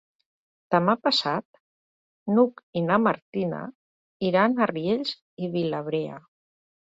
Demà passat n'Hug i na Martina iran a Riells i Viabrea.